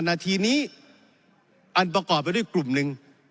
นาทีนี้อันประกอบไปด้วยกลุ่มหนึ่ง